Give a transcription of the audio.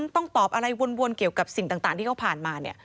ต้องตอบอะไรวนเกี่ยวกับสิ่งต่างที่เขาผ่านมาเนี่ย